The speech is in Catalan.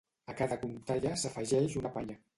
A cada contalla s'afegeix una palla.